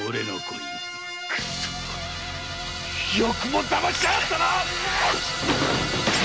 よくもだましやがったな！